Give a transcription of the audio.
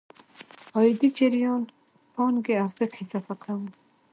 عايدي جريان پانګې ارزښت اضافه کوو.